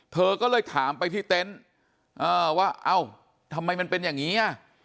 เธอก็เลยถามไปที่เต็นต์ว่าเอ้าทำไมมันเป็นอย่างนี้อ่ะ